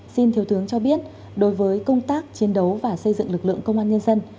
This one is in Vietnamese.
xin thiếu tướng cho biết đối với công tác chiến đấu và xây dựng lực lượng công an nhân dân